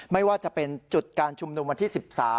ไม่ว่าจะเป็นจุดการชุมนุมวันที่๑๓